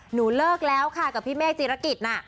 หนูเลิกแล้วค่ะกับพี่เมฆจีรกิจน่ะ